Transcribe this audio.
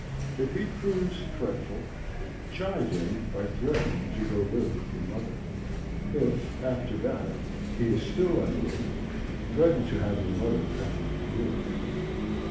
If he proves fretful, chide him by threatening to go live with your mother. If, after that, he is still unruly, threaten to have your mother come live with you.